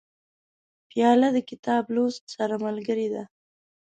پیاله د کتاب لوست سره ملګرې ده.